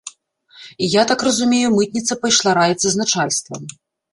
І, я так разумею, мытніца пайшла раіцца з начальствам.